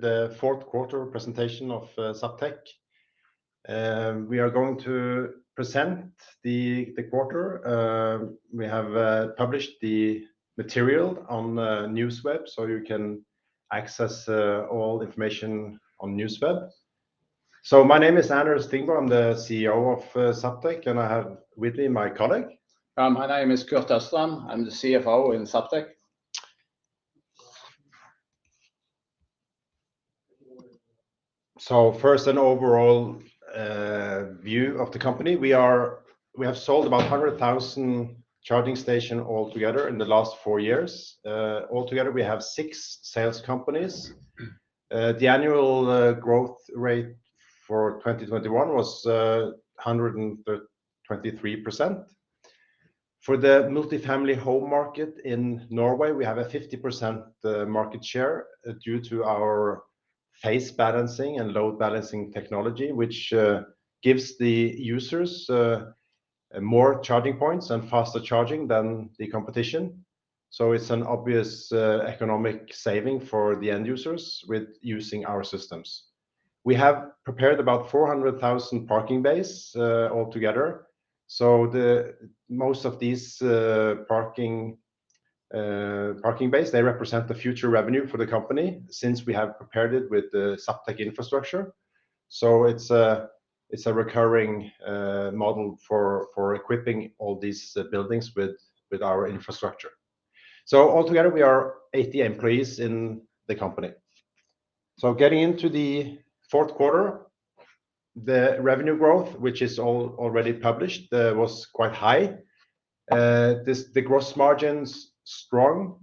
The fourth quarter presentation of Zaptec. We are going to present the quarter. We have published the material on the news web, so you can access all information on news web. My name is Anders Thingbø. I'm the CEO of Zaptec, and I have with me my colleague. My name is Kurt Østrem. I'm the CFO in Zaptec. First, an overall view of the company. We have sold about 100,000 charging stations altogether in the last four years. Altogether, we have six sales companies. The annual growth rate for 2021 was 23%. For the multi-family home market in Norway, we have a 50% market share due to our phase balancing and load balancing technology, which gives the users more charging points and faster charging than the competition. It's an obvious economic saving for the end users with using our systems. We have prepared about 400,000 parking bays altogether. Most of these parking bays represent the future revenue for the company since we have prepared them with the Zaptec infrastructure. It's a recurring model for equipping all these buildings with our infrastructure. Altogether we are 80 employees in the company. Getting into the fourth quarter, the revenue growth, which is already published, was quite high, the gross margins strong.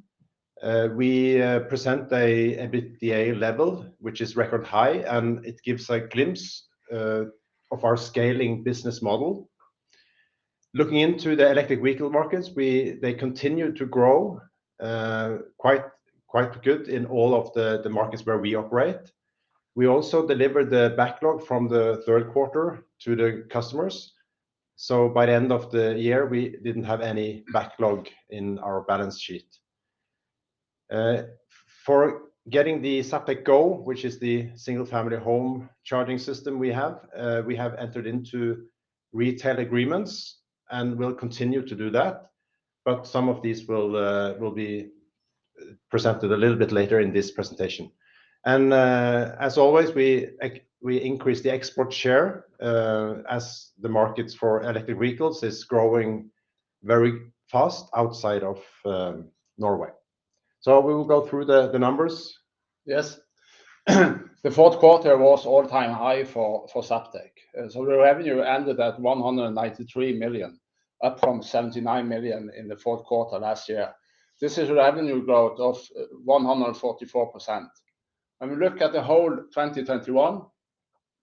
We present an EBITDA level, which is record-high, and it gives a glimpse of our scaling business model. Looking into the electric vehicle markets, they continue to grow quite good in all of the markets where we operate. We also delivered the backlog from the third quarter to the customers, so by the end of the year, we didn't have any backlog in our balance sheet. For getting the Zaptec Go, which is the single-family home charging system we have, we have entered into retail agreements and will continue to do that, but some of these will be presented a little bit later in this presentation. As always, we increase the export share, as the markets for electric vehicles is growing very fast outside of Norway. We will go through the numbers. Yes. The fourth quarter was an all-time high for Zaptec. The revenue ended at 193 million, up from 79 million in the fourth quarter last year. This is a revenue growth of 144%. When we look at the whole 2021,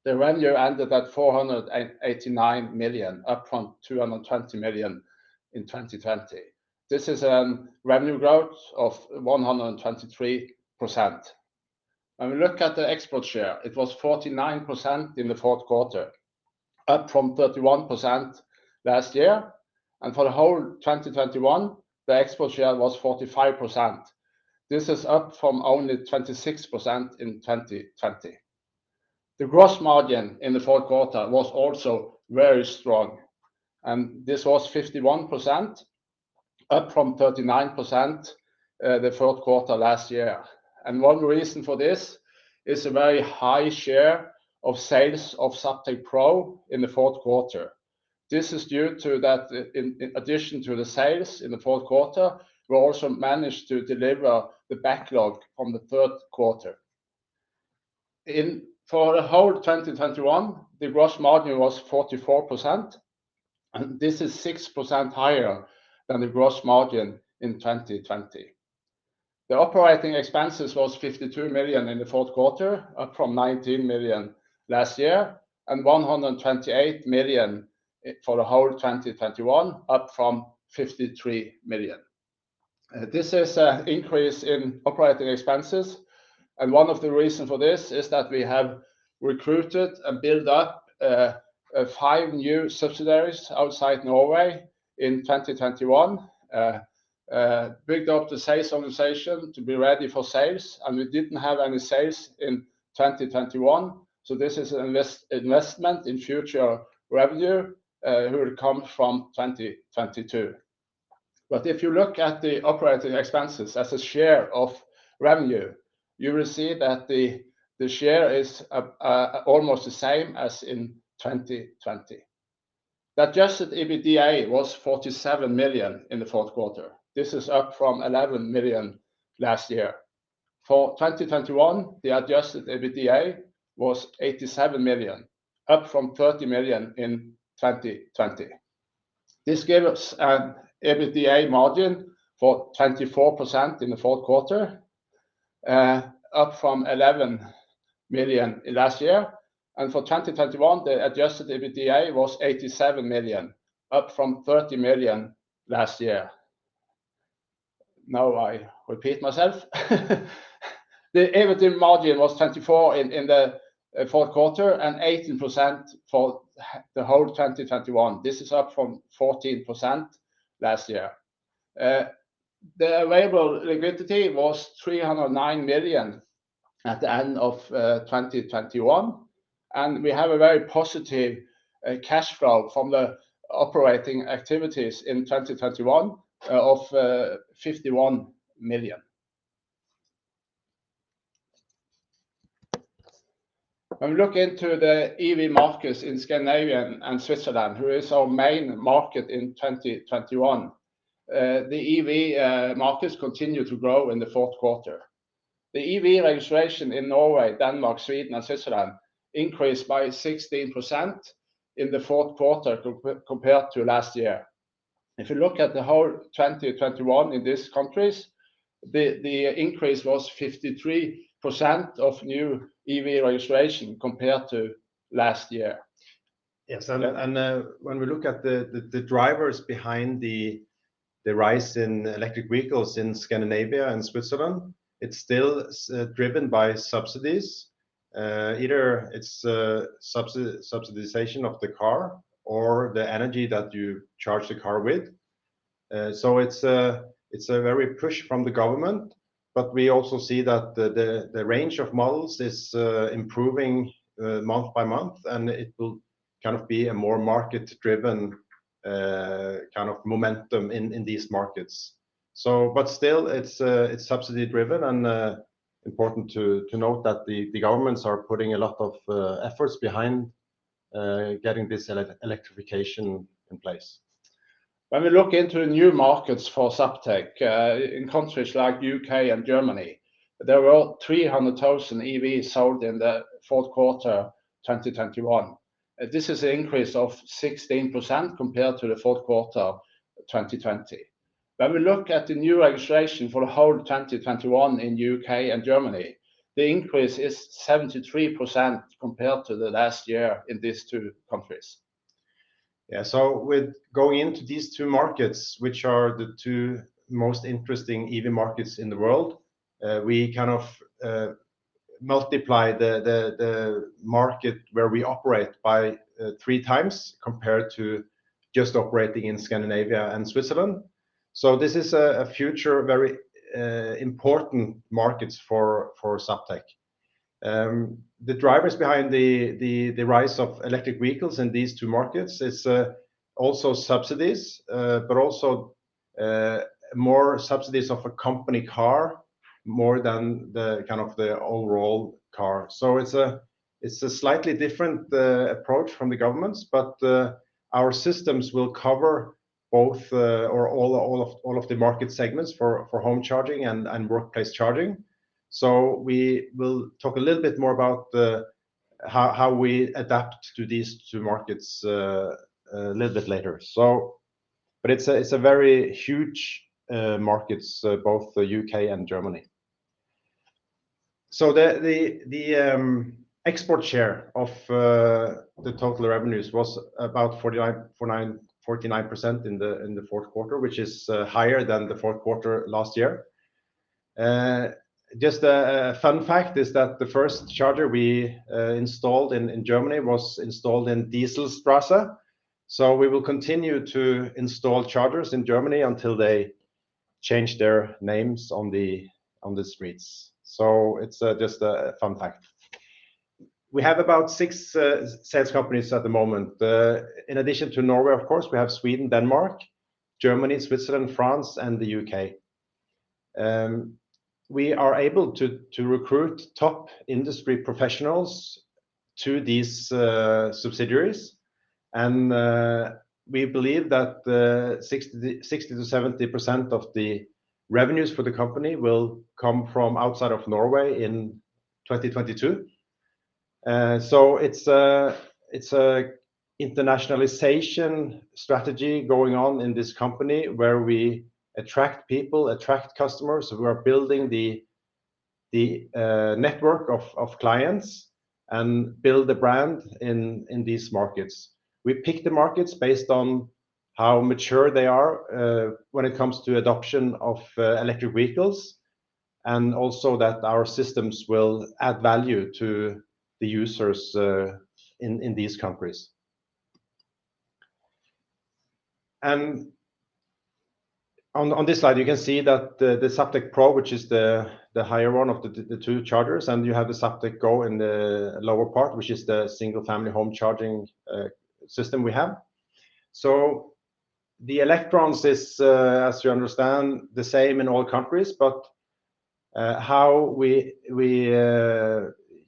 the revenue ended at 489 million, up from 220 million in 2020. This is a revenue growth of 123%. When we look at the export share, it was 49% in the fourth quarter, up from 31% last year. For the whole 2021, the export share was 45%. This is up from only 26% in 2020. The gross margin in the fourth quarter was also very strong, and this was 51%, up from 39% the fourth quarter last year. One reason for this is a very high share of sales of Zaptec Pro in the fourth quarter. This is due to that in addition to the sales in the fourth quarter, we also managed to deliver the backlog from the third quarter. For the whole 2021, the gross margin was 44%, and this is 6% higher than the gross margin in 2020. The operating expenses was 52 million in the fourth quarter, up from 19 million last year, and 128 million for the whole 2021, up from 53 million. This is a increase in operating expenses, and one of the reasons for this is that we have recruited and built up five new subsidiaries outside Norway in 2021. Built up the sales organization to be ready for sales, and we didn't have any sales in 2021. This is investment in future revenue who will come from 2022. If you look at the operating expenses as a share of revenue, you will see that the share is almost the same as in 2020. The adjusted EBITDA was 47 million in the fourth quarter. This is up from 11 million last year. For 2021, the adjusted EBITDA was 87 million, up from 30 million in 2020. This gave us an EBITDA margin for 24% in the fourth quarter, up from eleven million last year. For 2021, the adjusted EBITDA was 87 million, up from 30 million last year. Now I repeat myself. The EBITDA margin was 24% in the fourth quarter and 18% for the whole 2021. This is up from 14% last year. The available liquidity was 309 million at the end of 2021 and we have a very positive cash flow from the operating activities in 2021 of NOK 51 million. When we look into the EV markets in Scandinavia and Switzerland, which is our main market in 2021, the EV markets continue to grow in the fourth quarter. The EV registration in Norway, Denmark, Sweden and Switzerland increased by 16% in the fourth quarter compared to last year. If you look at the whole 2021 in these countries, the increase was 53% of new EV registration compared to last year. Yes. When we look at the drivers behind the rise in electric vehicles in Scandinavia and Switzerland, it's still driven by subsidies. Either it's subsidization of the car or the energy that you charge the car with. It's a very push from the government, but we also see that the range of models is improving month by month and it will kind of be a more market driven kind of momentum in these markets. But still it's subsidy driven and important to note that the governments are putting a lot of efforts behind getting this electrification in place. When we look into new markets for Zaptec, in countries like U.K. and Germany, there were 300,000 EVs sold in the fourth quarter 2021. This is an increase of 16% compared to the fourth quarter 2020. When we look at the new registration for the whole 2021 in U.K. and Germany, the increase is 73% compared to the last year in these two countries. Yeah. With going into these two markets, which are the two most interesting EV markets in the world, we kind of multiply the market where we operate by three times compared to just operating in Scandinavia and Switzerland. This is a future very important markets for Zaptec. The drivers behind the rise of electric vehicles in these two markets is also subsidies, but also more subsidies of a company car more than the kind of the overall car. It's a slightly different approach from the governments, but our systems will cover both or all of the market segments for home charging and workplace charging. We will talk a little bit more about the how we adapt to these two markets a little bit later. It's a very huge markets both the U.K. and Germany. The export share of the total revenues was about 49% in the fourth quarter, which is higher than the fourth quarter last year. Just a fun fact is that the first charger we installed in Germany was installed in Dieselstraße. We will continue to install chargers in Germany until they change their names on the streets. It's just a fun fact. We have about six sales companies at the moment. In addition to Norway of course we have Sweden, Denmark, Germany, Switzerland, France and the U.K. We are able to recruit top industry professionals to these subsidiaries and we believe that 60%-70% of the revenues for the company will come from outside of Norway in 2022. It's an internationalization strategy going on in this company where we attract people, attract customers. We are building the network of clients and build the brand in these markets. We pick the markets based on how mature they are when it comes to adoption of electric vehicles and also that our systems will add value to the users in these countries. On this slide you can see that the Zaptec Pro, which is the higher one of the two chargers and you have the Zaptec Go in the lower part which is the single family home charging system we have. The electronics are, as you understand the same in all countries but how we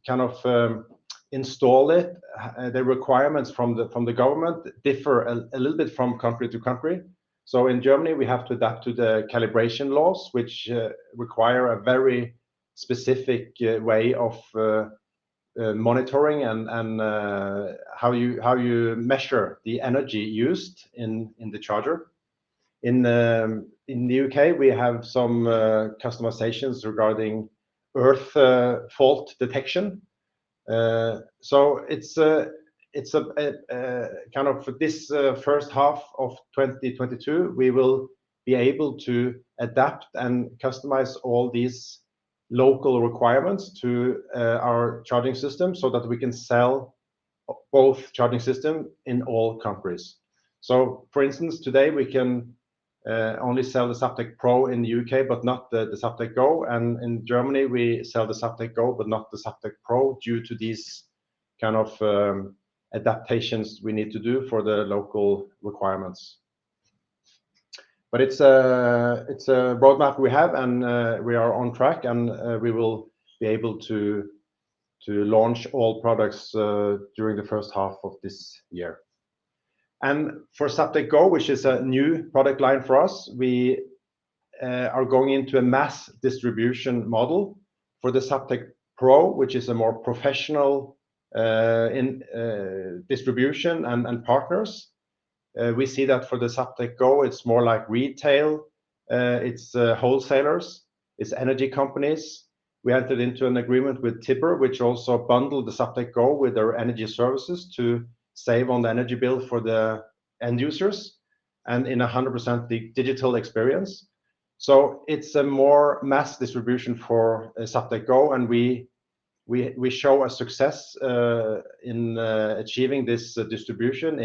kind of install it, the requirements from the government differ a little bit from country to country. In Germany we have to adapt to the calibration laws which require a very specific way of monitoring and how you measure the energy used in the charger. In the U.K. we have some customizations regarding earth fault detection. For this first half of 2022 we will be able to adapt and customize all these local requirements to our charging system so that we can sell both charging systems in all countries. For instance, today we can only sell the Zaptec Pro in the UK, but not the Zaptec Go. In Germany, we sell the Zaptec Go, but not the Zaptec Pro due to these kind of adaptations we need to do for the local requirements. It's a roadmap we have, and we are on track, and we will be able to launch all products during the first half of this year. For Zaptec Go, which is a new product line for us, we are going into a mass distribution model for the Zaptec Pro, which is a more professional in distribution and partners. We see that for the Zaptec Go, it's more like retail, it's wholesalers, it's energy companies. We entered into an agreement with Tibber, which also bundle the Zaptec Go with their energy services to save on the energy bill for the end users and in 100% the digital experience. It's a more mass distribution for Zaptec Go, and we show a success in achieving this distribution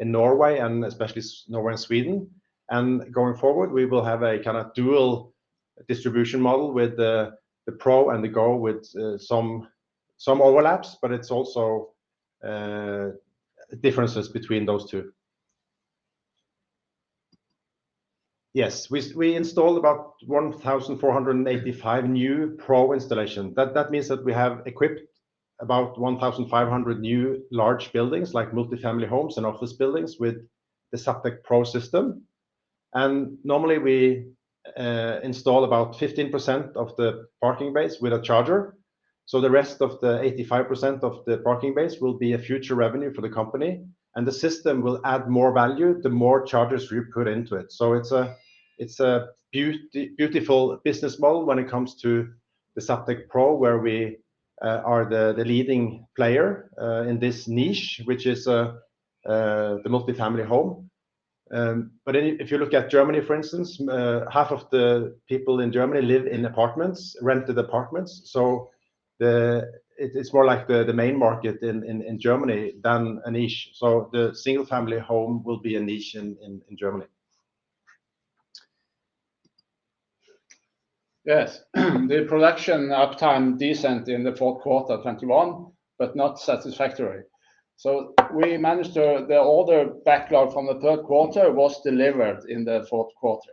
in Norway and especially Norway and Sweden. Going forward, we will have a kind of dual distribution model with the Pro and the Go with some overlaps, but it's also differences between those two. Yes. We installed about 1,485 new Pro installations. That means that we have equipped about 1,500 new large buildings like multi-family homes and office buildings with the Zaptec Pro system. Normally we install about 15% of the parking base with a charger, so the rest of the 85% of the parking base will be a future revenue for the company, and the system will add more value the more chargers you put into it. It's a beautiful business model when it comes to the Zaptec Pro, where we are the leading player in this niche, which is the multi-family home. But if you look at Germany, for instance, half of the people in Germany live in apartments, rented apartments, so it's more like the main market in Germany than a niche. The single-family home will be a niche in Germany. Yes. The production uptime was decent in the fourth quarter 2021, but not satisfactory. We managed to deliver the order backlog from the third quarter in the fourth quarter.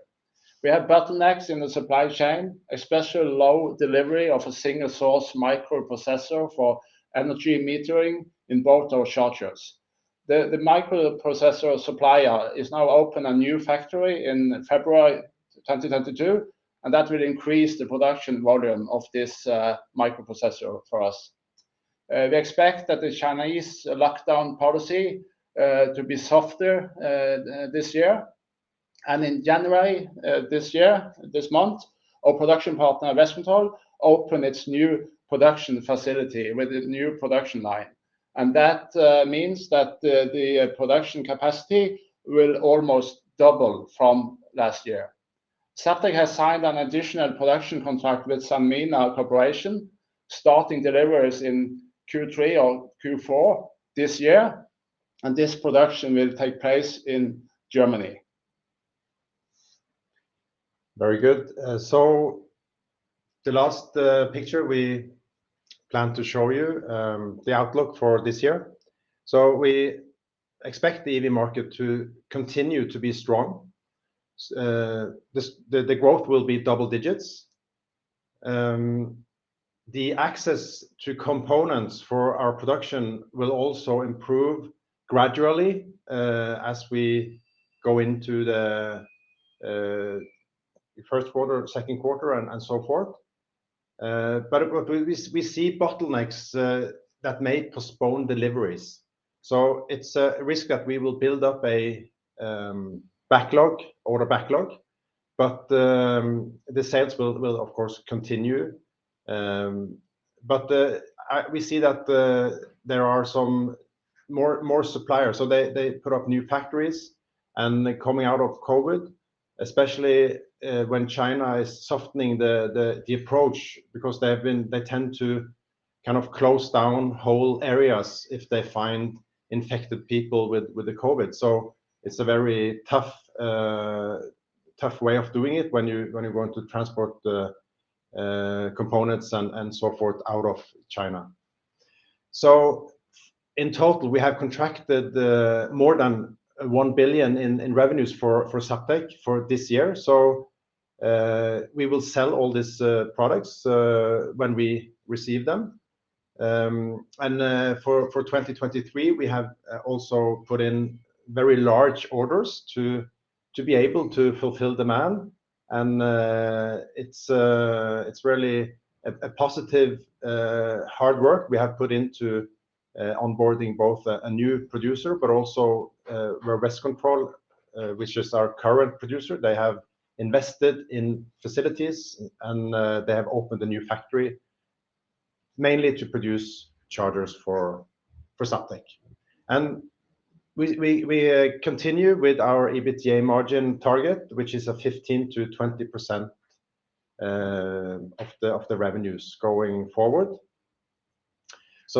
We had bottlenecks in the supply chain, especially low delivery of a single-source microprocessor for energy metering in both our chargers. The microprocessor supplier is now opening a new factory in February 2022, and that will increase the production volume of this microprocessor for us. We expect that the Chinese lockdown policy to be softer this year. In January this month, our production partner, Westcontrol, opened its new production facility with a new production line. That means that the production capacity will almost double from last year. Zaptec has signed an additional production contract with Sanmina Corporation starting deliveries in Q3 or Q4 this year, and this production will take place in Germany. Very good. The last picture we plan to show you, the outlook for this year. We expect the EV market to continue to be strong. The growth will be double digits. The access to components for our production will also improve gradually, as we go into the first quarter or second quarter and so forth. We see bottlenecks that may postpone deliveries. It's a risk that we will build up a backlog, order backlog, but the sales will of course continue. We see that there are some more suppliers. They put up new factories and coming out of COVID, especially, when China is softening the approach because they tend to kind of close down whole areas if they find infected people with the COVID. It's a very tough way of doing it when you want to transport the components and so forth out of China. In total, we have contracted more than 1 billion in revenues for Zaptec for this year. We will sell all these products when we receive them. For 2023, we have also put in very large orders to be able to fulfill demand. It's really a positive hard work we have put into onboarding both a new producer but also Westcontrol, which is our current producer. They have invested in facilities and they have opened a new factory mainly to produce chargers for Zaptec. We continue with our EBITDA margin target, which is 15%-20% of the revenues going forward.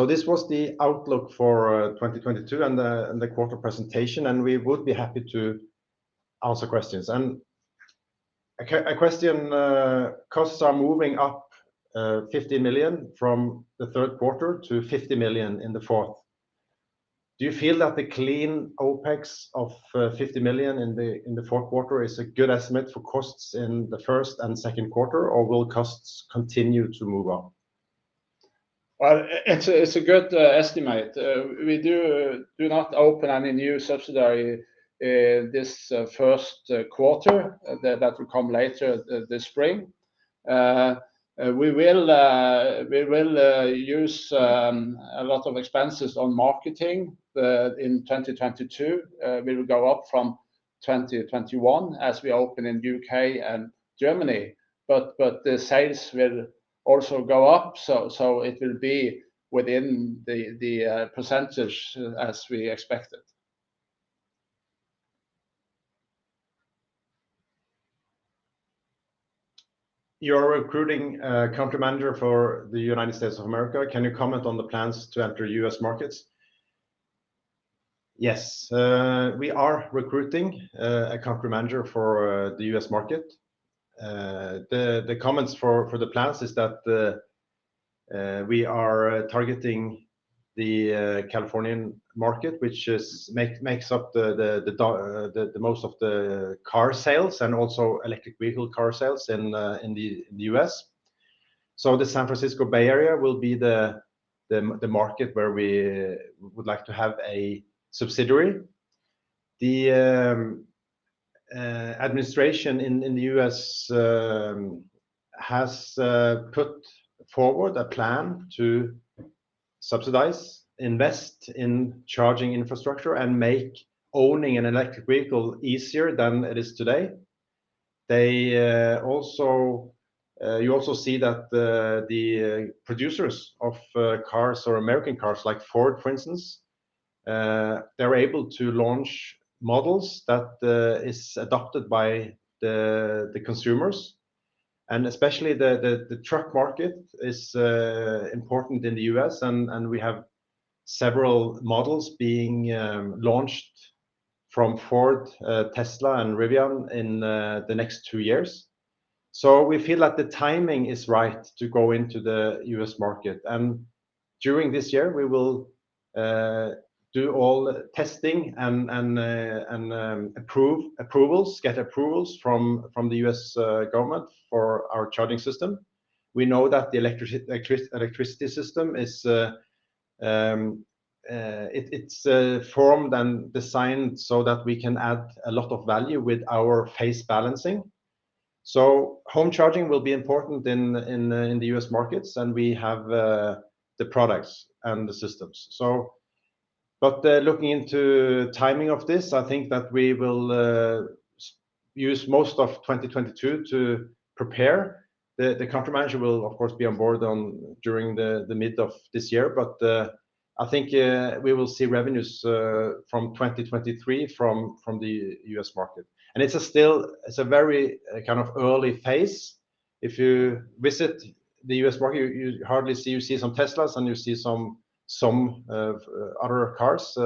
This was the outlook for 2022 and the quarter presentation, and we would be happy to answer questions. A question, costs are moving up 50 million from the third quarter to 50 million in the fourth. Do you feel that the clean OPEX of 50 million in the fourth quarter is a good estimate for costs in the first and second quarter, or will costs continue to move up? Well, it's a good estimate. We do not open any new subsidiary in this first quarter. That will come later this spring. We will use a lot of expenses on marketing in 2022. We will go up from 2021 as we open in U.K. and Germany. The sales will also go up, so it will be within the percentage as we expected. You're recruiting a country manager for the United States of America. Can you comment on the plans to enter U.S. markets? Yes. We are recruiting a country manager for the U.S. market. The comments for the plans is that we are targeting the Californian market, which makes up the most of the car sales and also electric vehicle car sales in the U.S. The San Francisco Bay Area will be the market where we would like to have a subsidiary. The administration in the U.S. has put forward a plan to subsidize, invest in charging infrastructure and make owning an electric vehicle easier than it is today. They also... You also see that the producers of cars or American cars like Ford, for instance, they're able to launch models that is adopted by the consumers, and especially the truck market is important in the U.S. and we have several models being launched from Ford, Tesla and Rivian in the next two years. We feel that the timing is right to go into the U.S. market. During this year we will do all testing and get approvals from the U.S. government for our charging system. We know that the electricity system is formed and designed so that we can add a lot of value with our phase balancing. Home charging will be important in the U.S. markets and we have the products and the systems. Looking into timing of this, I think that we will use most of 2022 to prepare. The country manager will of course be on board during the mid of this year. I think we will see revenues from 2023 from the U.S. market. It's still a very kind of early phase. If you visit the U.S. market, you hardly see. You see some Teslas and you see some other cars.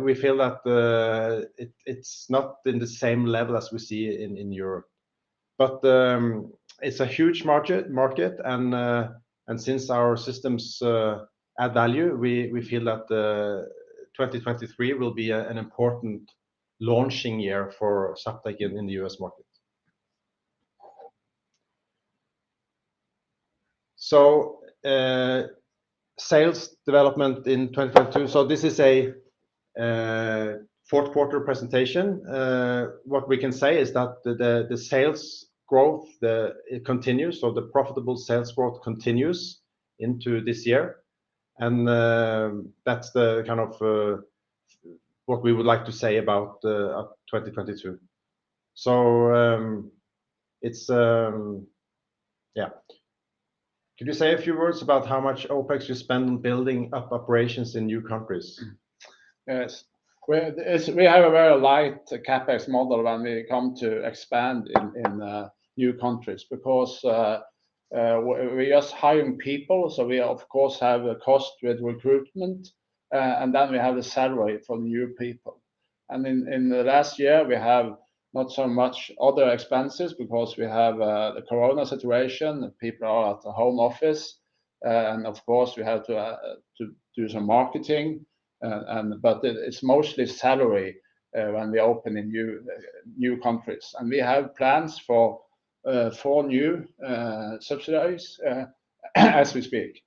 We feel that it's not in the same level as we see in Europe. It's a huge market and since our systems add value, we feel that 2023 will be an important launching year for Zaptec in the U.S. market. Sales development in 2022. This is a fourth quarter presentation. What we can say is that the sales growth continues, so the profitable sales growth continues into this year. That's the kind of what we would like to say about 2022. It's. Yeah. Could you say a few words about how much OPEX you spend on building up operations in new countries? Yes. Well, we have a very light CAPEX model when we come to expand in new countries because we're just hiring people. We of course have a cost with recruitment, and then we have the salary for new people. In the last year we have not so much other expenses because we have the corona situation. People are at the home office, and of course we have to do some marketing. But it's mostly salary when we open in new countries and we have plans for four new subsidiaries as we speak.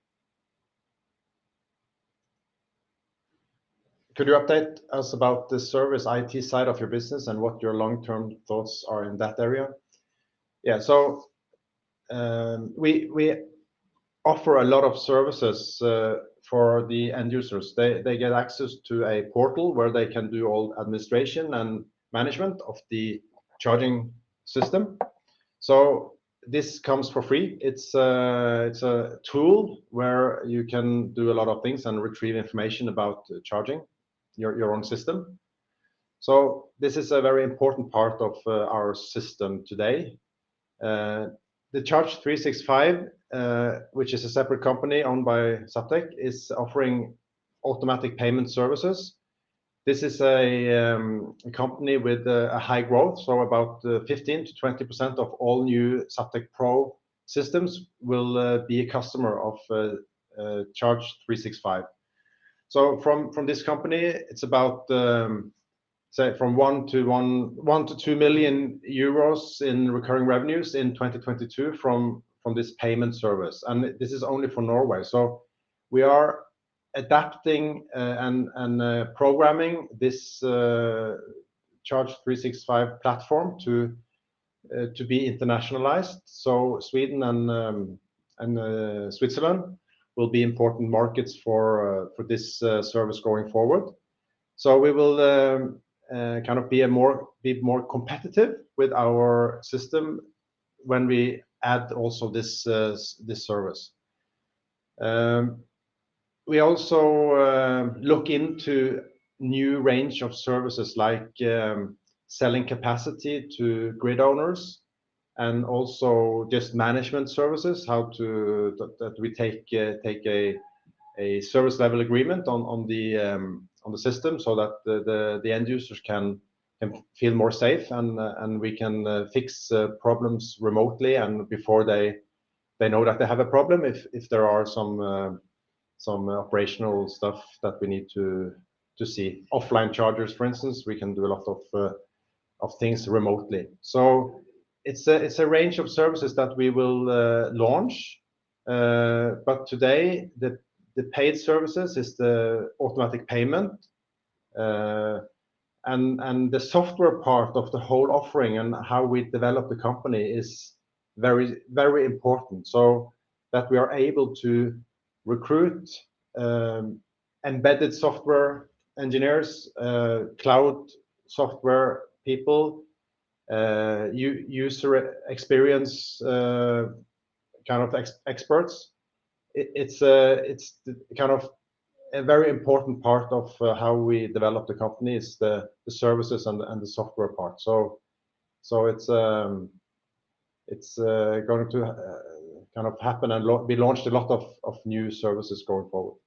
Could you update us about the service IT side of your business and what your long-term thoughts are in that area? Yeah. We offer a lot of services for the end users. They get access to a portal where they can do all administration and management of the charging system. This comes for free. It's a tool where you can do a lot of things and retrieve information about charging your own system. This is a very important part of our system today. The Charge365, which is a separate company owned by Zaptec, is offering automatic payment services. This is a company with a high growth, so about 15%-20% of all new Zaptec Pro systems will be a customer of Charge365. From this company, it's about, say, 1 million-2 million euros in recurring revenues in 2022 from this payment service, and this is only for Norway. We are adapting and programming this Charge365 platform to be internationalized. Sweden and Switzerland will be important markets for this service going forward. We will kind of be more competitive with our system when we add this service. We also look into new range of services like selling capacity to grid owners and also just management services, how to. that we take a service level agreement on the system so that the end users can feel more safe and we can fix problems remotely and before they know that they have a problem if there are some operational stuff that we need to see. Offline chargers, for instance, we can do a lot of things remotely. It's a range of services that we will launch. Today the paid services is the automatic payment. The software part of the whole offering and how we develop the company is very important, so that we are able to recruit embedded software engineers, cloud software people, user experience kind of experts. It's kind of a very important part of how we develop the company is the services and the software part. It's going to kind of happen. We launched a lot of new services going forward.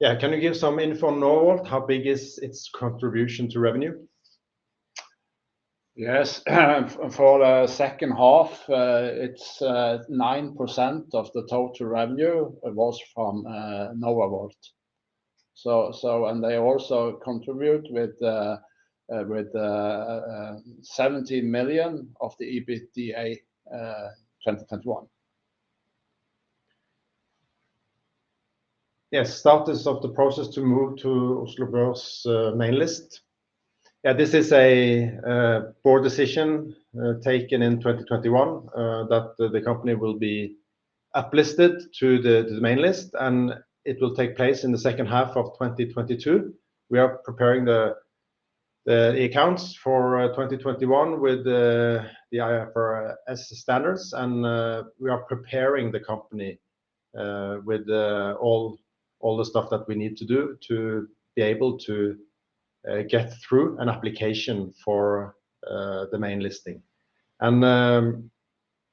Yeah. Can you give some info on NovaVolt? How big is its contribution to revenue? Yes. For the second half, it's 9% of the total revenue was from NovaVolt. They also contribute with 17 million of the EBITDA 2021. Yes. Status of the process to move to Oslo Børs's main list. Yeah. This is a board decision taken in 2021 that the company will be uplisted to the main list, and it will take place in the second half of 2022. We are preparing the accounts for 2021 with the IFRS standards, and we are preparing the company with all the stuff that we need to do to be able to get through an application for the main listing.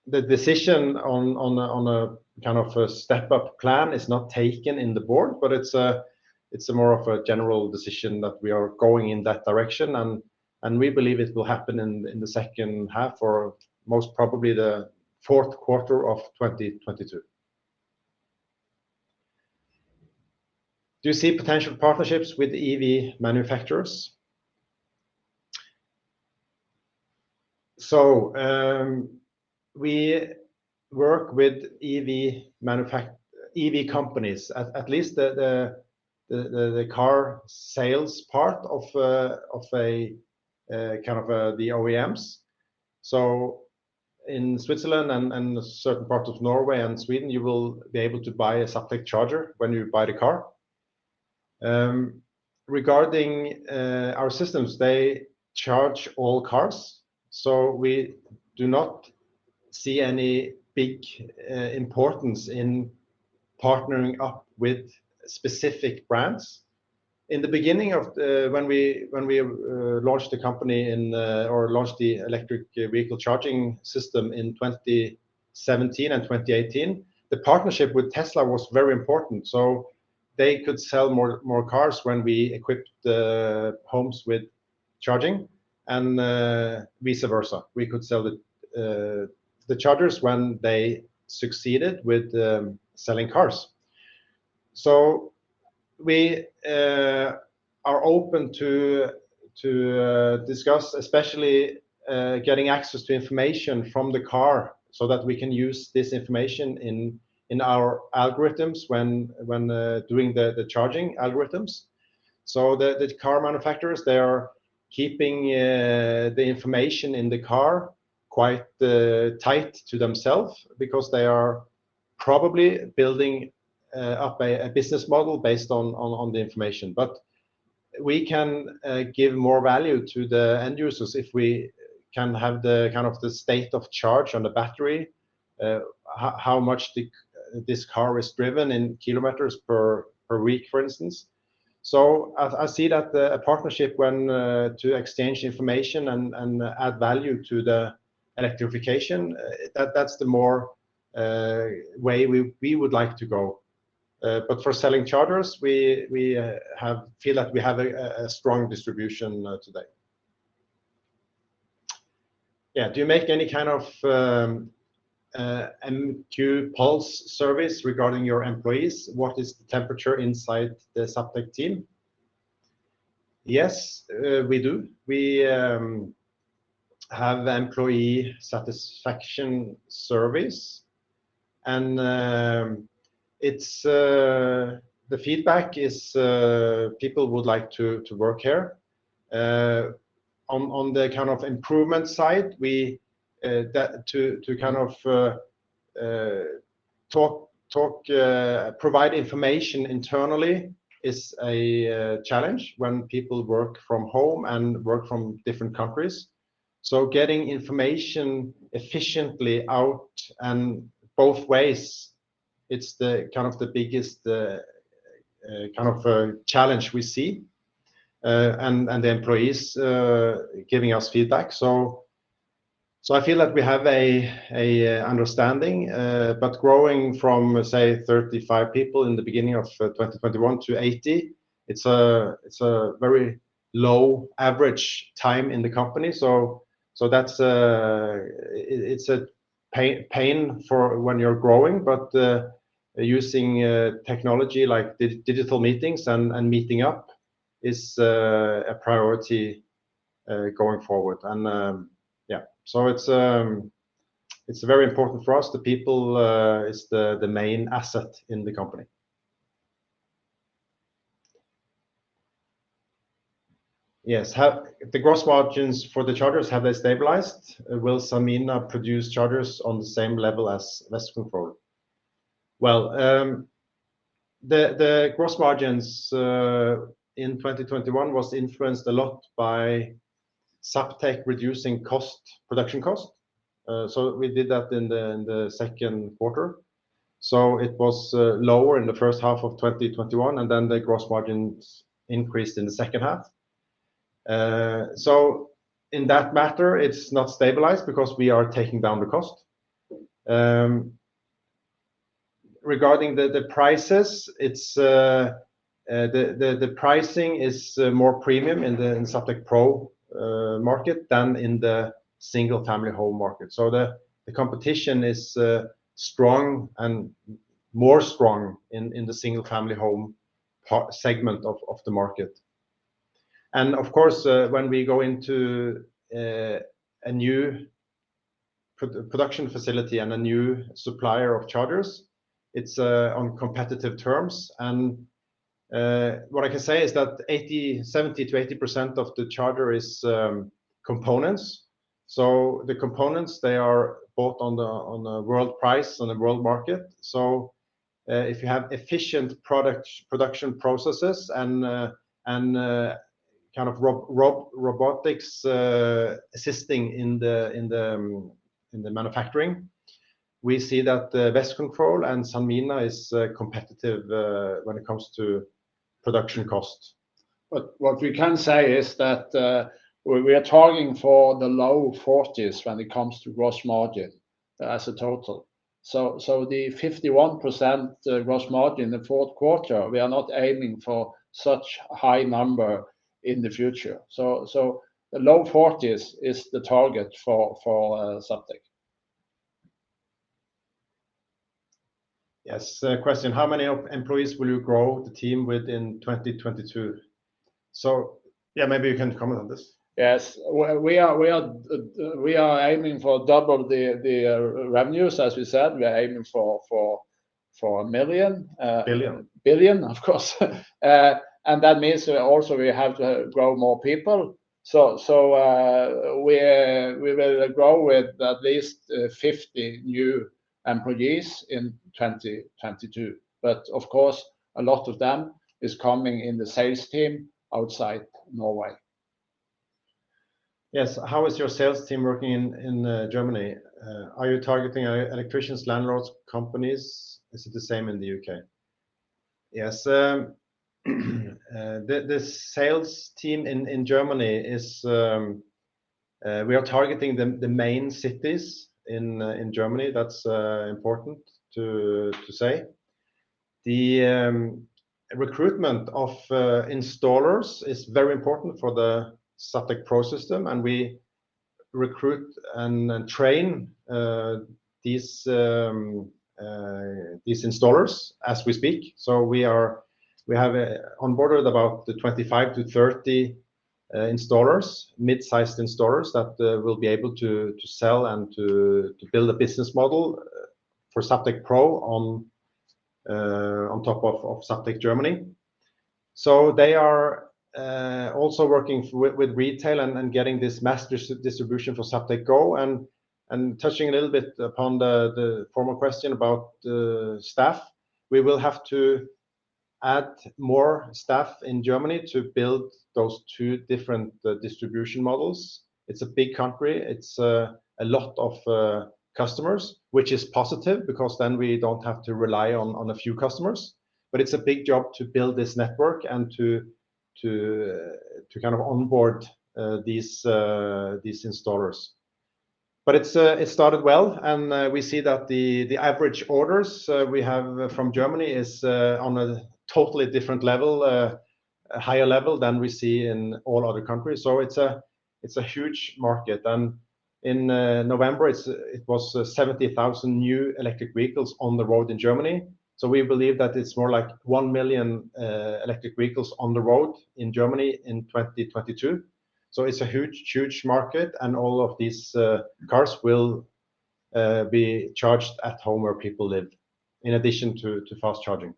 The decision on a kind of a step-up plan is not taken in the board, but it's more of a general decision that we are going in that direction, and we believe it will happen in the second half or most probably the fourth quarter of 2022. Do you see potential partnerships with EV manufacturers? We work with EV companies, at least the car sales part of the OEMs. In Switzerland and certain parts of Norway and Sweden, you will be able to buy a Zaptec charger when you buy the car. Regarding our systems, they charge all cars, so we do not see any big importance in partnering up with specific brands. In the beginning of when we launched the electric vehicle charging system in 2017 and 2018, the partnership with Tesla was very important. They could sell more cars when we equipped the homes with charging, and vice versa. We could sell the chargers when they succeeded with selling cars. We are open to discuss, especially, getting access to information from the car so that we can use this information in our algorithms when doing the charging algorithms. The car manufacturers, they are keeping the information in the car quite tight to themselves because they are probably building up a business model based on the information. We can give more value to the end users if we can have the kind of the state of charge on the battery, how much this car is driven in kilometers per week, for instance. I see that a partnership to exchange information and add value to the electrification, that's the more way we would like to go. For selling chargers, we feel that we have a strong distribution today. Yeah. Do you make any kind of employee pulse survey regarding your employees? What is the temperature inside the Zaptec team? Yes, we do. We have employee satisfaction surveys and the feedback is people would like to work here. On the kind of improvement side, we see that to kind of provide information internally is a challenge when people work from home and work from different countries. Getting information efficiently out and both ways, it's the biggest challenge we see and the employees giving us feedback. I feel like we have an understanding but growing from, say, 35 people in the beginning of 2021 to 80, it's a very low average time in the company. That's a pain for when you're growing but using technology like digital meetings and meeting up is a priority going forward. Yeah. It's very important for us. The people is the main asset in the company. Yes. Have the gross margins for the chargers stabilized? Will Sanmina produce chargers on the same level as Westcontrol? Well, the gross margins in 2021 was influenced a lot by Zaptec reducing cost, production cost. So we did that in the second quarter. It was lower in the first half of 2021 and then the gross margins increased in the second half. In that matter it's not stabilized because we are taking down the cost. Regarding the prices it's the pricing is more premium in the Zaptec Pro market than in the single family home market. The competition is strong and more strong in the single family home segment of the market. Of course, when we go into a new production facility and a new supplier of chargers, it's on competitive terms. What I can say is that 70%-80% of the charger is components. The components they are bought on the world price on the world market. If you have efficient product production processes and kind of robotics assisting in the manufacturing, we see that the Westcontrol and Sanmina is competitive when it comes to production costs. What we can say is that we are targeting for the low 40s when it comes to gross margin as a total. The 51% gross margin in the fourth quarter, we are not aiming for such high number in the future. The low 40s is the target for Zaptec. Yes. A question, how many employees will you grow the team within 2022? Yeah, maybe you can comment on this. Yes. We are aiming for double the revenues. As we said, we are aiming for a million. Billion. Billion, of course. That means also we have to grow more people. We will grow with at least 50 new employees in 2022. Of course a lot of them is coming in the sales team outside Norway. Yes. How is your sales team working in Germany? Are you targeting electricians, landlords, companies? Is it the same in the U.K.? Yes. The sales team in Germany is we are targeting the main cities in Germany. That's important to say. The recruitment of installers is very important for the Zaptec Pro system, and we recruit and train these installers as we speak. We have on board about 25-30 installers, mid-sized installers that will be able to sell and build a business model for Zaptec Pro on top of Zaptec Germany. They are also working with retail and then getting this master distribution for Zaptec Go and touching a little bit upon the former question about the staff. We will have to add more staff in Germany to build those two different distribution models. It's a big country. It's a lot of customers, which is positive because then we don't have to rely on a few customers. It's a big job to build this network and to kind of onboard these installers. It started well, and we see that the average orders we have from Germany is on a totally different level, a higher level than we see in all other countries. It's a huge market. In November, it was 70,000 new electric vehicles on the road in Germany. We believe that it's more like 1 million electric vehicles on the road in Germany in 2022. It's a huge market and all of these cars will be charged at home where people live in addition to fast charging.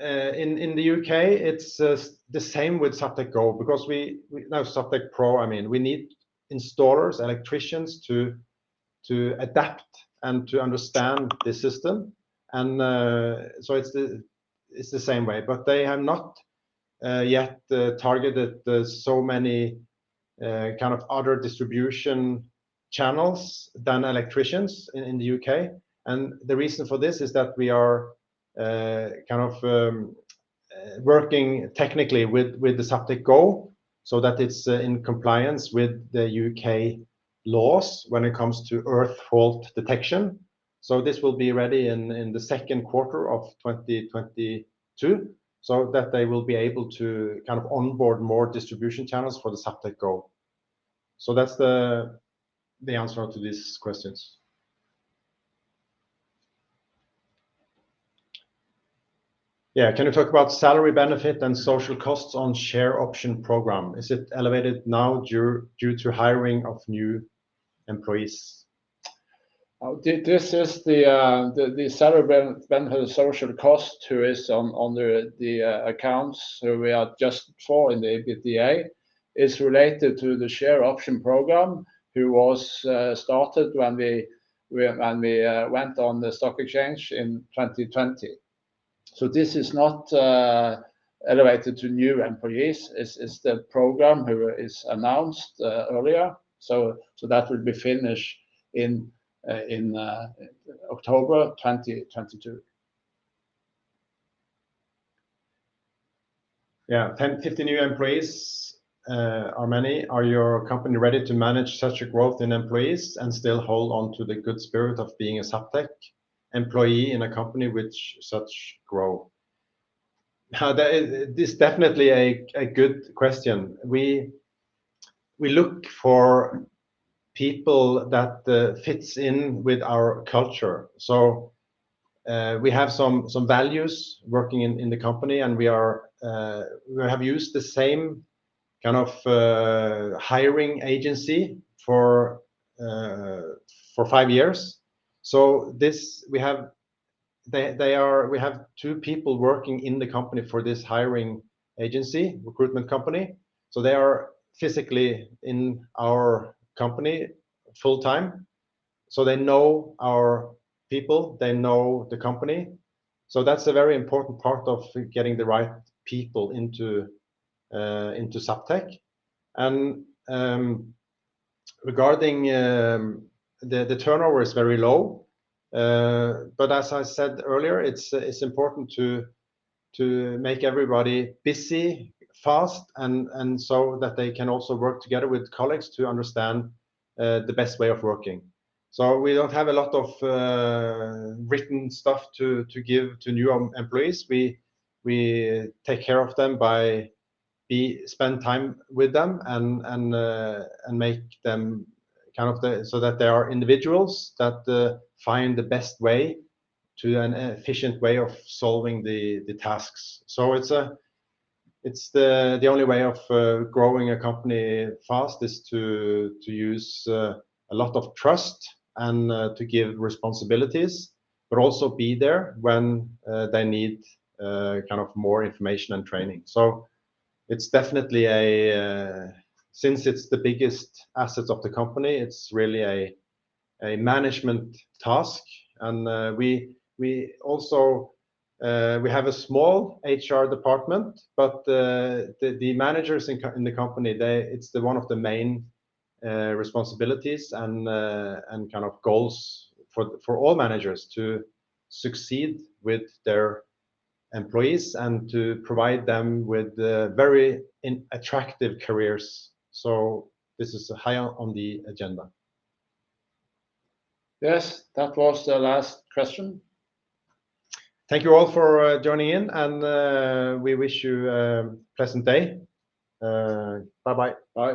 In the U.K., it's the same with Zaptec Go. No, Zaptec Pro, I mean. We need installers, electricians to adapt and to understand the system and so it's the same way. But they have not yet targeted so many kind of other distribution channels than electricians in the U.K. The reason for this is that we are kind of working technically with the Zaptec Go so that it's in compliance with the U.K. laws when it comes to earth fault detection. This will be ready in the second quarter of 2022, so that they will be able to kind of onboard more distribution channels for the Zaptec Go. That's the answer to these questions. Yeah. Can you talk about salary benefit and social costs on share option program? Is it elevated now due to hiring of new employees? This is the salary benefit social cost which is on the accounts, which we just saw in the EBITDA, is related to the share option program which was started when we went on the stock exchange in 2020. This is not allocated to new employees. It's the program which is announced earlier. That will be finished in October 2022. Yeah. 10-50 new employees are many. Is your company ready to manage such a growth in employees and still hold onto the good spirit of being a Zaptec employee in a company with such growth? This definitely a good question. We look for people that fits in with our culture. We have some values working in the company, and we have used the same kind of hiring agency for five years. They are physically in our company full-time, so they know our people, they know the company. That's a very important part of getting the right people into Zaptec. Regarding the turnover is very low. As I said earlier, it's important to make everybody busy fast and so that they can also work together with colleagues to understand the best way of working. We don't have a lot of written stuff to give to new employees. We take care of them by spending time with them and make them kind of so that they are individuals that find the best way to an efficient way of solving the tasks. It's the only way of growing a company fast is to use a lot of trust and to give responsibilities, but also be there when they need kind of more information and training. It's definitely a. Since it's the biggest assets of the company, it's really a management task. We also have a small HR department, but the managers in the company, it's one of the main responsibilities and kind of goals for all managers to succeed with their employees and to provide them with very attractive careers. This is high on the agenda. Yes. That was the last question. Thank you all for joining in, and we wish you a pleasant day. Bye-bye. Bye.